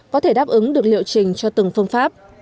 có thể đáp ứng được liệu trình cho từng phương pháp